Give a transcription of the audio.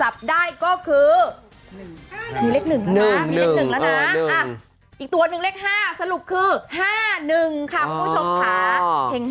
มีเลข๑แล้วนะอีกตัว๑เลข๕สรุปคือ๕๑ค่ะคุณผู้ชมค่ะ